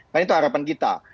kan itu harapan kita